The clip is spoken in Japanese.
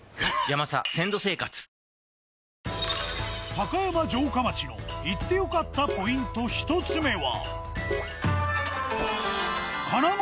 高山城下町の行って良かったポイント１つ目は。